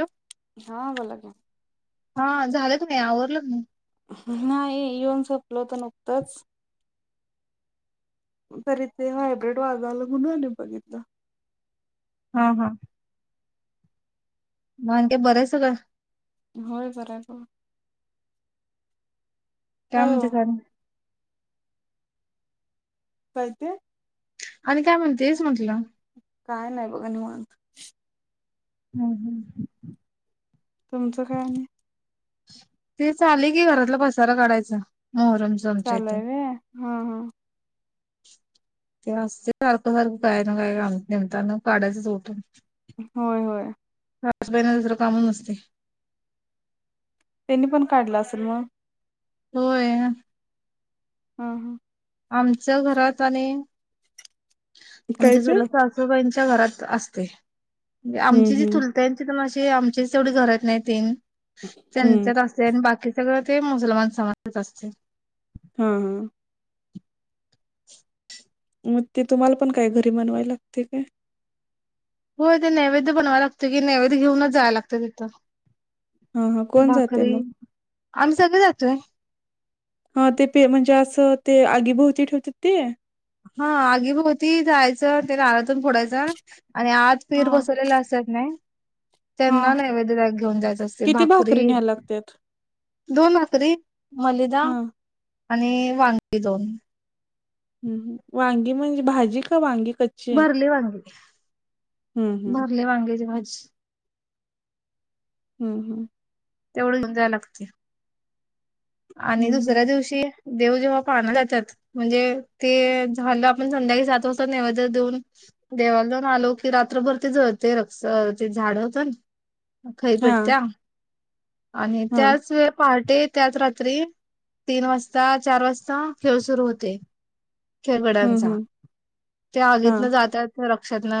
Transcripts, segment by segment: Hello. हा बोला की. हा झालंत नाही आवरलं की नाही? नाही येऊन संपलत नुकतच. तरी ते हायब्र्रीड वाजालागून बघितलं. हा हा. माणक बरे सग? होय बर हाय. का काय म्हच ओ झा? काय ते? आणि काय म्हणते येस म्हंटलं? काय नाही बघा निवांत. हम् हम्. तुमचं काय? ते चाले की घरातला पसारा काढायचा मोहरम. चालू आहे हा हा. ते असते सारखं सारखं काय ना काय का नमत काढायचं सुटून. होय होय. ह हसबं दुसरं कामच नसते. त्यांनी पण काढला असेल मग? होय. हम हम. आमच्या घरात आणि काय आमच्या ते चुलत सासू आोबाईंच्या घरात असते म्हे हम्म आमची जी हम्म चुलती त्यांची तर मशी आमचीच तेवढी घरात नाही तीन हम्म त्यांच्यात अस. दन बाकी सगळं ते मुसलमान समाजात असते. हा हा. ह. मग ते तुम्हाला पण काय घरी बनवाय लागते काय. हो ते नैवेद्य बनवाय लागतं की नैवैद घऊनच जाव लागतं तिथं हा हा कोण जातय भाकरी मग आम्ही सगळे जातोय हा ते प म्हणजे असं ते आगीभोवती ठेवते ते हा आगी भवती जायचं ते नारळ तेन फोडायचं आणि आत हा पीर बसवलेला असत नाही. हा त्यांना नैवेदताग घेऊन जायच असते किती भाकरी. न्यायला लागत्यात दोन अकरी मलिदा हा आणि वांगी दोन. ह् वांगी म्हणजे भाजी का वांगी कच्. भरले वांगे हं, हं. भरले वांगे जेवन हम् हम्. तेवढं घऊन जायला लागकी आणि हं, हं. दुसऱ्या दिवशी देव जेव्हा पाहण जातात म्हणजे ते झालं आपण संध्याकाळी सात वाजता नव तर दऊन देवाला जाऊन आलो की रात्रभर ते जळते र ते झाड होतं ना खइ हां, पेटत्या आणि हां. त्याच व पहाटे त्याच रात्री रात्री तीन वाजता चार वाजता खेळ सुरू होते हं, खेळगड्यांचा हं. त्या हां. आगीतन जातात रक्षातन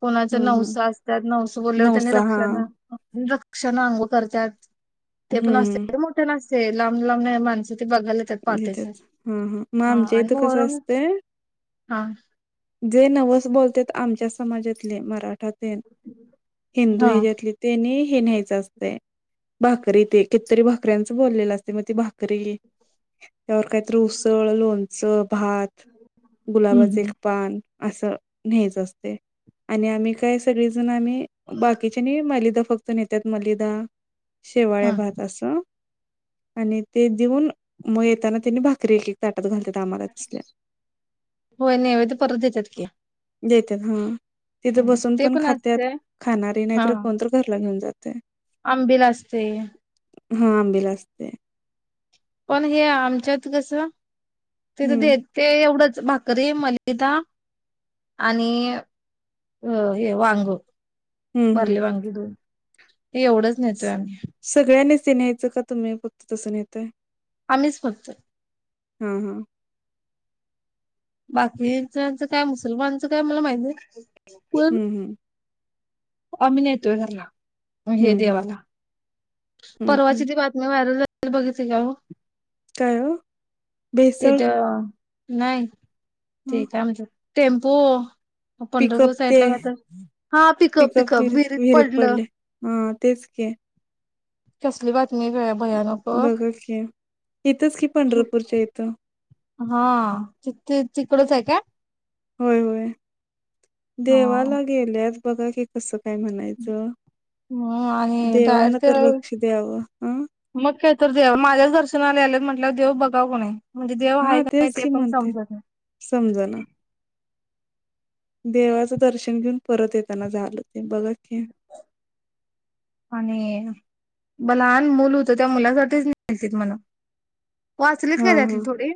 कोणाच हं, हं. नवसं असतात नवस बोलल्यावर त्यांनी नवसा रक्ष हां. रक्षण अंघोळ करतात हं, ते पण हं. असते मोठे लांब लांब माणस ते बघायला पहाटेच देतात. हं, हं. मग आमच्या आणि इथं कसं मोहरम असतंय, जे नवस बोलत आमच्या समाजातले मराठातले हिंदू हा ह्याच्यातले तेनी हे न्यायचं असते भाकरी ते कितीतरी भाकऱ्यांचं बोललेलं असते मग ती भाकरी त्यावर काहीतरी उसळ लोणचं भात गुलाबाचे हम्म पान अस नच असते आणि आम्ही काय सगळेजण आम्ही बाकीच्या नाही मलिदा फक्त नेतात मलिदा शेवाळ्या हा भात असं आणि ते देऊन मग येताना त्यांनी भाकरी एक एक ताटात घालतेात आम्हाला तसल्या होय नैवेद्य परत देतात की देत हा तिथे हा, बसून ते पण खातत असते खाणारी नाहीतर कोणत घरला घेऊन जाते आंबी ला असते हा आंबीला असते पण हे आमच्यात कसं तिथं हम्म ते एवढंच भाकरी मलिदा आणि अ हे वांगू हम्म हम्म भरले वांगी दोन हे एवढंच नेतोय आम्ही सगळ्यांनीच न्यायचं का तुम्ही फक्त तसं नेताय आम्हीच फक्त हम हम. बाकीच्याच काय मुसलमानाचं काय मला माहिती नाही पण हम. आम्ही न्हेतोय घराला, हे हम्म हम्म देवाला हम्म हम्म परवाची ती बातम्या व्हायरल झाल ते बघितली काय ओ? काय ओ? ते भेसळ थ, नाही हा ते काय म्हणत टेम्पो पंढरपूर पिकअप साईड ते ला काय तर हा पिकप पिकअप पिकप, विहिरीत पडलं पडले हा तेच की कसली बातमी [unintelligible] भयानक ओ. बघा की, ये इथंच कि पंढरपूरच्या इथं. हा, [unintelligible] तिकडच हाय काय? होय होय, हा देवाला गेल्यात बघा कि कसं काय म्हणायचं, ह आणि देवाना डायरेक्ट तर ते लक्ष द्यावं हं मग काय तर ते, देव माझ्याच दर्शनाला आलेत म्हटल्यावर देव बघाव का नाही म्हणजे देव आहे हा का नाही तेच ते की पण म्हणते समजत नाही. समजना देवाचं दर्शन घेऊन परत येताना झालं ते, बघा की [unintelligible] [inaudible] आणि ब लहान मुल होतं, त्या मुलासाठीच न्हालतीत म्हण. वाचलीत हा काय त्यातली हा थोडी?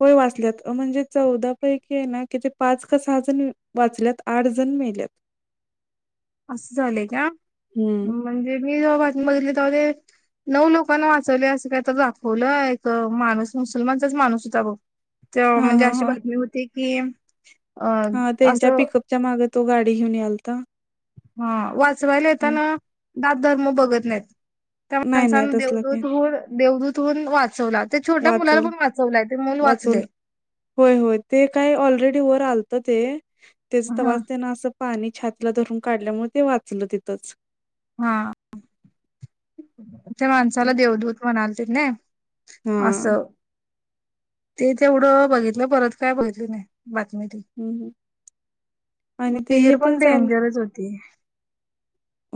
होय वाचल्यात, म्हणजे चौदा पैकी आहे ना, कि ते पाच का सहा जण वाचल्यात, आठ जण मेल्यात. असं झालंय काय, हम्म म्हणजे मी जेव्हा बातमी बघितली तेव्हा ते नऊ लोकांना वाचवले असं काय तर दाखवलं, एक माणूस मुसलमानचाच माणूस होता बघ. तो, हा म्हणजे हा अशी हा बातमी होती की अ हा त्यांच्या असं पिकअपच्या मागे तो गाडी घेऊन यालता. हा, वाचवायला हम्म येताना जात, धर्म बघत नाहीत. त्या नाही नाही माणसान तसलं काय देवदूतहून देवदूतहून वाचवला. ते छोट्या मुलाला वाचोल, पण वाचवलाय, ते मल वाचोल. वाचलय. होय होय, ते काय ऑलरेडी वर आलत ते, त्याच हा तवाच त्यांना असं पाणी छातीला धरून काढल्यामुळे ते वाचलं तिथंच. हा, त्या अ, माणसाला देवदूत म्हणालतीत नाई. हां. असं ते तेवढं बघितलं परत काय बघितली नाही, बातमी ती. हं. हं. आणि ते हे वीर पण चाल डेंजरच होती.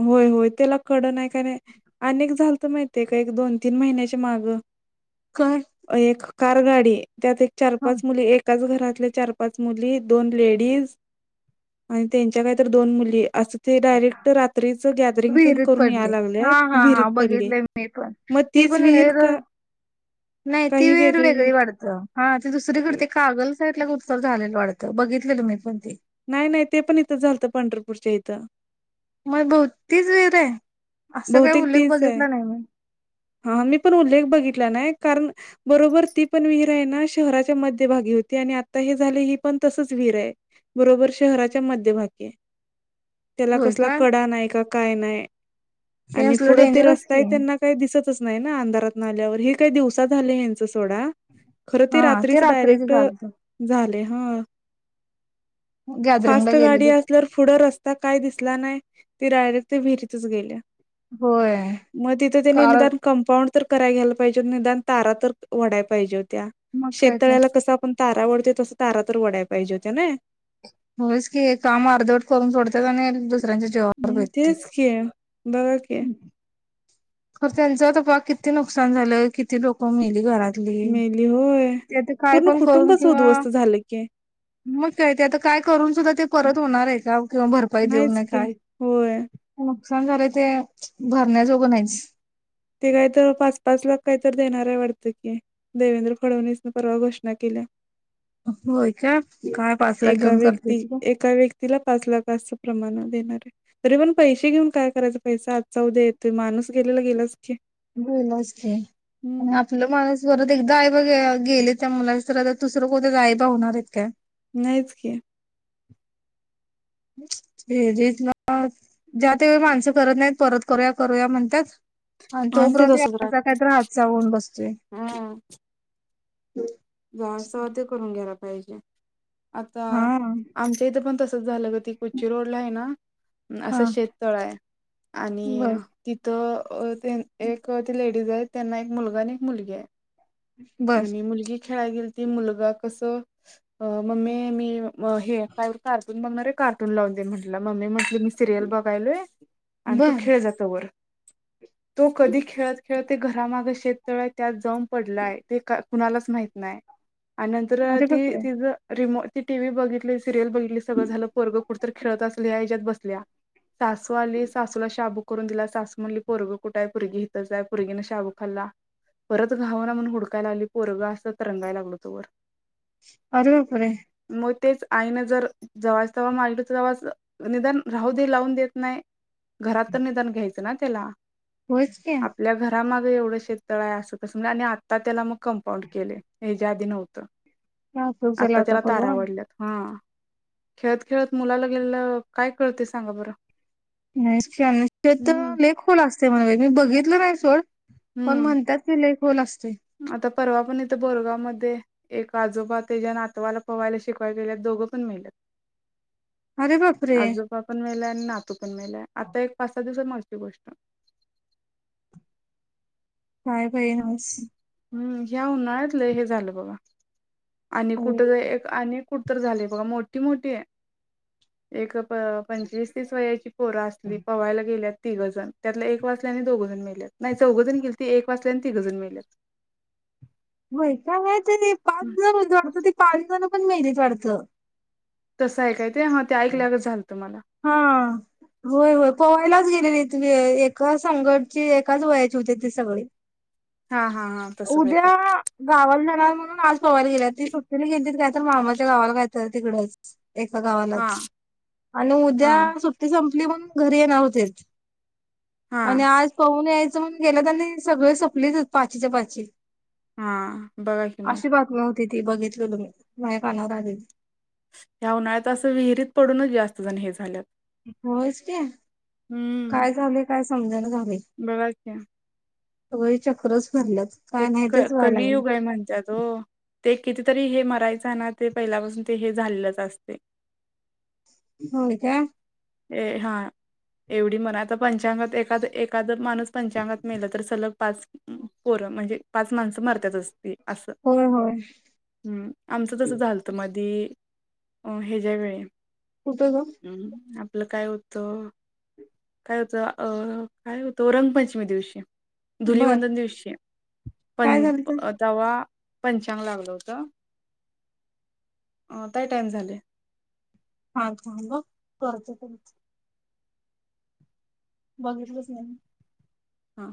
होय होय, त्याला कड नाही, काय नाही अनेक झाल तर माहितीय काय, एक दोन तीन महिन्याची मागं. काय? एक कार गाडी, त्यात एक चार हा पाच मुली एक एकाच घरातले चार पाच मुली, दोन लेडीज आणि त्यांच्या काय तर दोन मुली, अस ते डायरेक्ट रात्रीचं गुदरिंग तेन विहिरीत करून या पडले लागल्यात, हा हा विहिरीत हा पडली, बघितलंय मी पण मग ती तीच पण विहीर नाही ती विहीर वेगळी वाढत, हा ती दुसरी कागल साईटला कुठतर झालेलं वाटतं, बघितलं मी पण ते नाही नाही ते पण इथं झालतं. पंढरपूरच्या इथं. मय भो तीच वीरे. असं काही बहुतेक उल्लेख तेच आहे बघितला नाही मी. हा मी पण उल्लेख बघितला नाही. कारण बरोबर ती पण विहीरय ना शहराच्या मध्ये भागी होती. आणि आता हे झाले ही पण तसच विहीरे. बरोबर शहराच्या मध्यभागी ये. [inaudible] त्याला कसला काय कडा नाही का, काय नाही. हे आणि असलं पुढं ते डेंजरच की रस्ताय त्यांना काही दिसतच नाही ना. अंधारात न आल्यावर. हे काय दिवसा झाले. यांच सोडा. खरं ते रात्रीच डायरेक्ट झाले. ह. गॅदरिंगला फास्ट गाडी गेलेली असल्या वर पुढं रस्ता काय दिसला नाय. ते डायरेक्ट ते विहिरीतच गेल्या. होय. म तिथे त्यांनी कार निदान कंपाऊंड तर कराय घ्यायला पाहिजे. निदान तारा तर वढाय पाहिजे होत्या. मग काय तर शेततळ्याला कस आपण तारा वढतोय. तस तारा तर वडाय पाहिजे होत ना. होयस की, काम अर्धवट करून सोडत्यात. आणि दुसऱ्यांच्या जीवावर हम्म बेतते तेच की. बघा की. खरं त्यांचं त बघा. किती नुकसान झालं. किती लोकं मेली घरात ली. मेली होय ते त काय पूर्ण पण करून कुटुंबच किंवा उद्ध्वस्त झालं की मग काय. ते आता काय करून सुद्धा ते परत होणारे का? किंवा भरपाई नाहीच देऊनय की काय. होय नुकसान झालंय ते. भरण्याजोगं नाहीच. ते काही त पाच पाच लाख काही तरी देणारे. वाटत की. देवेंद्र फडणीसने परवा घोषणा केल्या. होय का? काय पाच लाख घेऊन करतेस ग. तिला पाच लाख. अस प्रमाण देणारे. तरी पण पैसे घेऊन काय करायचं. पैसा आजचा उद्या येतोय. माणूस गेलेला गेलास की. [unintelligible] हम्म आपलं माणुस परत एकदा आईबा गेले त्या मुलाचे तर दुसरं कोणी आयबा होणारेत काय? नाहीच की. [unintelligible] ज्यात वळी माणसं करत नाहीत. परत करूया करूया म्हणतात. आणि तोपर्यंत याचा काहीतरी हातचा होऊन बसतोय. हम् हम जावाच तवा ते करून घ्यायला पाहिजे. आता हा आमच्या इथं पण तसच झालं ग. ती कुच्ची रोडलाय ना हा असं शेतथळय. आणि बर तिथं अ तेन एक ती लेडीजे. त्यांना एक मुलगा आणि एक मुलगी आहे. बर आणि मुलगी खेळाय गेलती. मुलगा कस अ मम्मे मी म हे काय कार्टून बघणारे कार्टून लावून दे म्हटलं. मम्मी म्हटल मी सिरियल बघायलोय. आणि तू बर खेळ जा, तवर. तो कधी खेळत खेळत घरामागे शेत तळय त्यात जाऊन पडलाय. ते का कुणालाच माहित नाय. आणि नंतर अरे ती बापरे तिज रिमो ती टी व्ही बघितली. सिरियल बघितली. सगळं झालं. पोरं कुठतरी खेळत असल ह्या या्याच्यात बसलीया. सासू आली. सासूला शाबूक करून दिला. सासु म्हणली पोरग कुठाय. पोरगी ईथचय पुर्गीन शाबू खाल्ला. परत घावान म्हणून हुडकाय लागली. पोरगा अस तरंगायला लागलो तोवर. अरे बापरे. म तेच. आईनं जर जव्हाज तेव मारलं तर निदान राहू दे लावून देत नाही. घरात तर निदान घ्यायचं ना त्याला होयच की आपल्या घर- माग एवढं शेतळ आहे असं तसं म्ह- आता त्याला मग कंपाऊंड केले हयाच्या आधी नव्हतं काय उपयोग झाला आता त्याला तारा करून वडल्यात. हा खेळत खेळत मुलाला गेलेलं काय कळते सांगा बरं. नाही तर हम्म शेततळे खुप खोल असते म्हण मी बघितलं नाही सोड पण हम्म म्हणतात की लय खोल असतंय. आता परवा पण इथं बोरगाव मध्ये एक आजोबा तेच्या नातवाला पवायला शिकवायला गेले दोघं पण मेलेत. अरे बाप रे आजोबा पण मेलाय आणि नातू पण मेलाय आता एक पाच सहा दिवस मागची गोष्ट. काय बाई नव्हच हम्म ह्या उन्हाळ्यातलं हे झालं बाबा आणि कुठं ज एक आणि कुठं कुठं तरी झालेय बघा मोठी मोठी एक प पंचवीस तीस वयाची पोर असली पवायला गेल्यात तिघंजण त्यातला एक वाचल्याने दोघजण मेलात नाही चौघजण गेली ती एक वाचल्याने तिघं जण मेलात. मय का का ते पाच जण वाढत ते पाच जण पण मेहत वाढतं [inaudible] तसं ऐकाय ते हा ते ऐकल्यागत झालंत मला हा होय होय पोहायलाच गेलेली तु एका संकटची एकाच वयाची होती ते सगळे हा हा हा तसं काय उद्या तर गावाला जाणार म्हणून आज पोयला गेले त सुटेली घेतलीत काय तर मामाच्या गावाला काय तर तिकडंच एका हा गावालाच आणि उद्या हा सुट्टी संपली म्हणून घरी येणार होतेच हा आणि आज पोहुन यायचं म्हणून गेलं तर आणि सगळे सपलेच पाचीच्या पाची हा बघा कि मग नव्हती ती बघितली माझ्या कानावर आलेल ह्या उन्हाळ्यात असं विहिरीत पडूनच जास्त जण हे झाल्यात. होच क काय झालेय काय समजणा झाले. बघ कि सगळी चक्रच भरल्यात. ते काय नाही क तेच व्हायला लागले कलियुगय आहे म्हणतात. हो ते कितीतरी हे मरायचं ना ते पहिल्यापासून ते हे झालंच असते. हो का ए हा एवढी मणा आता पंचांगात एखाद एखाद माणूस पाच पंचांगात मेलं तर सलग पाच पोर म्हणजे पाच माणसं मरतात असती असं होय होय हम्म आमचं तसं झालतं मधी अ ह्याच्या वेळी कुठं ग? ह्. आपलं काय होतं काय होतं अ काय होतं रंगपंचमी दिवशी बर धुलवंदन दिवशी पण काय झालं तर तवा पंचांग लागलं होतं काय टाईम झाले? हा ल करच तम [unintelligible] बघितलंच नाही. हा.